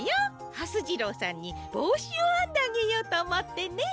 はす次郎さんにぼうしをあんであげようとおもってね。